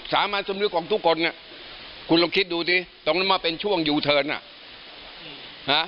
สามัญสำธิกของทุกคนเนี้ยคุณคิดดูดิตรงนั้นจะมาเป็นช่วงอยู่เทินอ่ะ